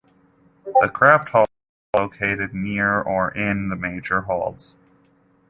The crafthalls are located near or in the Major Holds.